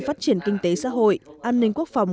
phát triển kinh tế xã hội an ninh quốc phòng